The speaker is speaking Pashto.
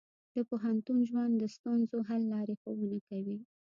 د پوهنتون ژوند د ستونزو حل لارې ښوونه کوي.